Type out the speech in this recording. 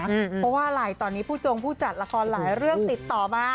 เพราะว่าอะไรตอนนี้ผู้จงผู้จัดละครหลายเรื่องติดต่อมา